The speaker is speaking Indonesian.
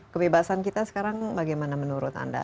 kebebasan kita sekarang bagaimana menurut anda